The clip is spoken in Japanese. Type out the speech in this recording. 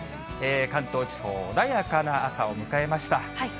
関東地方、穏やかな朝を迎えました。